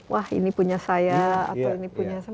wah ini punya saya atau ini punya